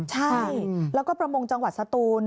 ใช่แล้วก็ประมงจังหวัดสตูน